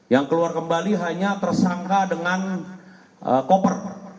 yang keluar kembali hanya tersangka dengan koper